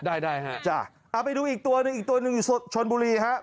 ได้ครับไปดูอีกตัวหนึ่งอีกตัวหนึ่งอยู่ชนบุรีครับ